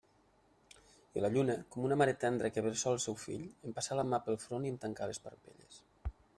I la lluna, com una mare tendra que bressola el seu fill, em passà la mà pel front i em tancà les parpelles.